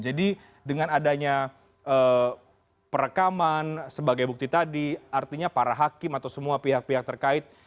jadi dengan adanya perekaman sebagai bukti tadi artinya para hakim atau semua pihak pihak terkait